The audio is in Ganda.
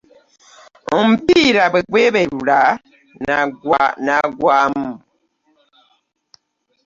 Omupiira bwe gweberula n’agwamu.